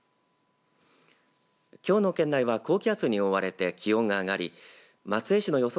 きょうの県内は高気圧に覆われて気温が上がり松江市の予想